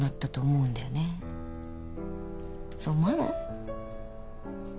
そう思わない？